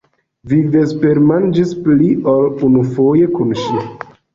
Vi vespermanĝis pli ol unufoje kun ŝi.